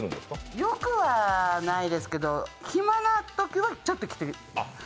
よくはないですけど、暇なときはちょっと来てくれる。